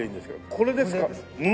これですか？